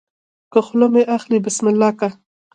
که خوله مې اخلې بسم الله که